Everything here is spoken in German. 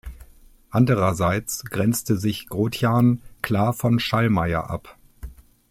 Andererseits grenzte sich Grotjahn klar von Schallmayer ab.